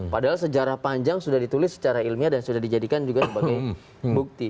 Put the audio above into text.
padahal sejarah panjang sudah ditulis secara ilmiah dan sudah dijadikan juga sebagai bukti